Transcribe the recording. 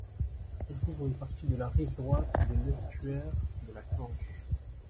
Elle couvre une partie de la rive droite de l’estuaire de la Canche.